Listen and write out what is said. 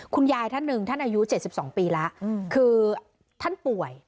ท่านหนึ่งท่านอายุ๗๒ปีแล้วคือท่านป่วย